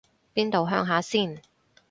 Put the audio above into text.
邊度鄉下先